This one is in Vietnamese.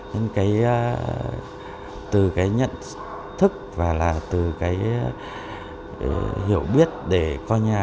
nhưng từ nhận thức và hiểu biết để có nhà